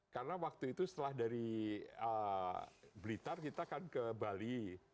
karena waktu itu setelah dari blitar kita kan ke bali